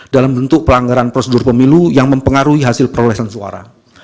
dalam bentuk pelanggaran prosedur pemilu yang mempengaruhi hasil perolehan suara